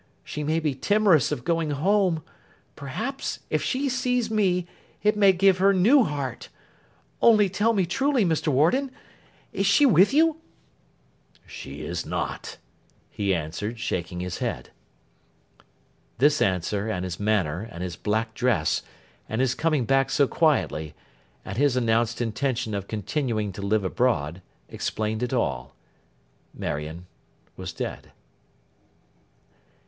She may be timorous of going home. Perhaps if she sees me, it may give her new heart. Only tell me truly, Mr. Warden, is she with you?' 'She is not,' he answered, shaking his head. This answer, and his manner, and his black dress, and his coming back so quietly, and his announced intention of continuing to live abroad, explained it all. Marion was dead.